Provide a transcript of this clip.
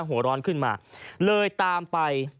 หัวร้อนขึ้นมาเลยตามไป